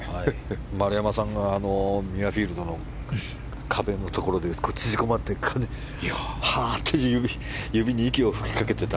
丸山さんがミュアフィールドの壁のところで、縮こまってはーっと指に息を吹きかけていた。